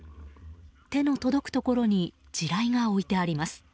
手の届くところに地雷が置いてあります。